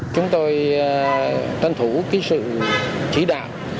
chúng tôi tân thủ cái sự chỉ đạo